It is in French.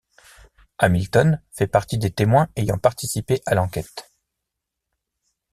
Hamilton fait partie des témoins ayant participé à l'enquête.